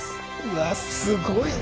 わすごいな。